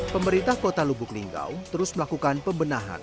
pemerintah kota lubuk linggau terus melakukan pembenahan